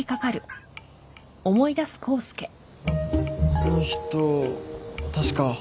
あの人確か。